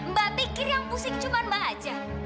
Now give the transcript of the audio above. mbak pikir yang pusing cuma mbak aja